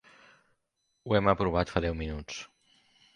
Ho hem aprovat fa deu minuts!